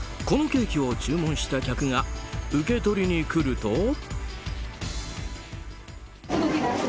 このケーキを注文した客が受け取りに来ると。